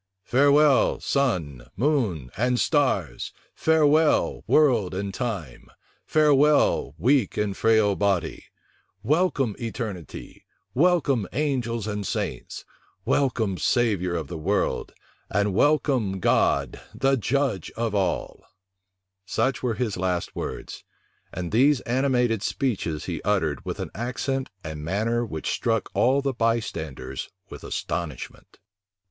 "Farewell, sun, moon, and stars; farewell, world and time; farewell, weak and frail body: welcome, eternity; welcome, angels and saints; welcome, Savior of the world; and welcome, God, the Judge of all!" Such were his last words: and these animated speeches he uttered with an accent and manner which struck all the bystanders with astonishment. * Burnet, p 237. * Wodrow's History, vol. i. p. 255.